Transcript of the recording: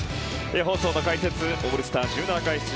放送の解説オールスター１７回出場